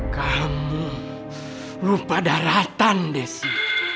kamu lupa daratan desi